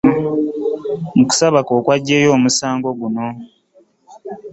Mu kusaba kwe okuggyayo omusango guno